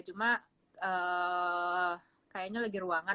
cuma kayaknya lagi ruangan